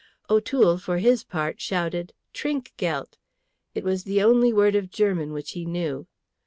O'Toole, for his part, shouted, "Trinkgeldt!" It was the only word of German which he knew.